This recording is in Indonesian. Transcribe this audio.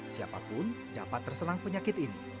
siapapun dapat terserang penyakit ini